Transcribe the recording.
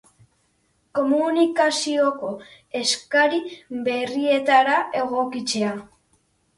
Komunikazioko eskari berrietara egokitzea.